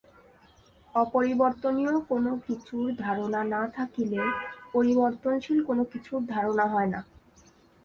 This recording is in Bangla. অপরিবর্তনীয় কোন কিছুর ধারণা না থাকিলে পরিবর্তনশীল কোন কিছুর ধারণা হয় না।